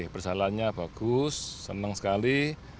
persalahannya bagus senang sekali